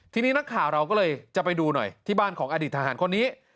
ทีนี้นักข่าวเราก็เลยจะไปดูหน่อยที่บ้านของอดีตทหารคนนี้